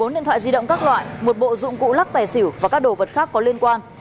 bốn điện thoại di động các loại một bộ dụng cụ lắc tài xỉu và các đồ vật khác có liên quan